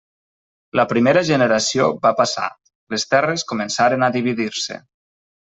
La primera generació va passar; les terres començaren a dividir-se.